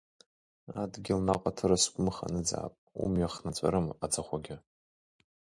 Адгьыл наҟ аҭырас гәымха аныӡаап, умҩа хнаҵәарым аӡахәагьы.